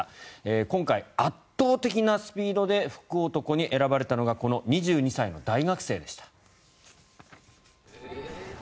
今回、圧倒的なスピードで福男に選ばれたのがこの２２歳の大学生でした。